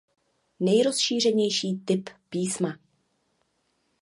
Nejrozšířenější typ písma.